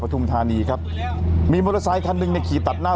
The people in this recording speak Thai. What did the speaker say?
พระทุ่มธานีครับมีมอเตอร์ไซค์ทันหนึ่งในขี่ตัดหน้า